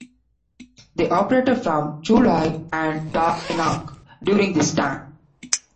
They operated from Chu Lai and Da Nang during this time.